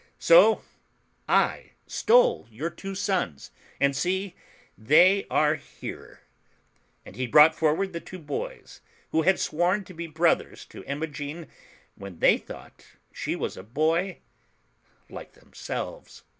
So I stole your two sons, and see, — they are here 1" And he brought forward the two boys, who had sworn to be brothers to Imogen when they thought she was a boy like themselves.